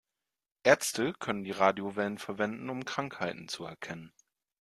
Ärzte könnten die Radiowellen verwenden, um Krankheiten zu erkennen.